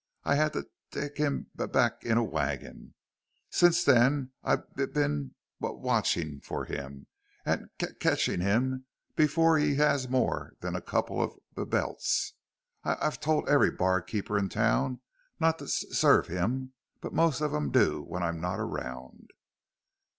I had to t take him b back in a wagon. Since then I b been w watching for him and c catching him before he's had more'n a couple of b belts. I've t told every barkeep in town not to s serve him, but most of 'em do when I'm not around."